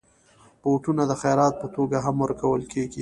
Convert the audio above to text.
بوټونه د خيرات په توګه هم ورکول کېږي.